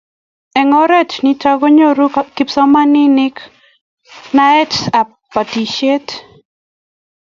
Eng' oret nitok ko nyoru kipsomanik naet ab batishet